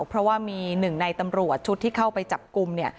เพราะว่ามีหนึ่งในตำรวจชุดที่เข้าไปจับกลุ่มเนี่ย